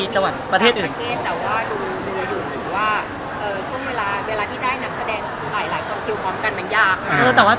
แต่ว่าดูว่าช่วงเวลาที่ได้นักแสดงหลายช่องคิวค้นมันยาก